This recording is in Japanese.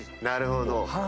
なるほど。